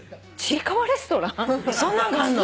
そんなんがあんの？